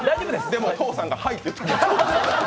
でも登さんが「はい」って言った。